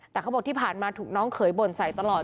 แต่เขาบอกที่ผ่านมาถูกน้องเขยบ่นใส่ตลอด